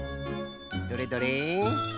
どれどれ？